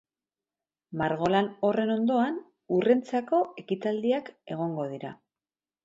Margolan horren ondoan, hurrentzako ekitaldiak egongo dira.